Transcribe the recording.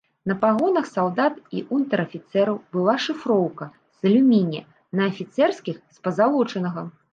На пагонах салдат і ўнтэр-афіцэраў была шыфроўка з алюмінія, на афіцэрскіх з пазалочанага.